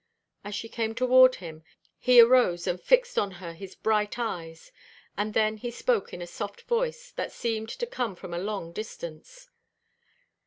As she came toward him, he arose and fixed on her his bright eyes; and then he spoke in a soft voice that seemed to come from a long distance.